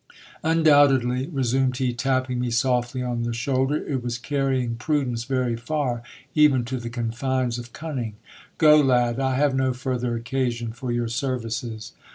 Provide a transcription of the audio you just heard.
Undoubtedly, resumed he, tapping me softly on the shoulder, it was carrying prudence very far, even to the confines of cunning. Go, lad, I have no further occasion for your services.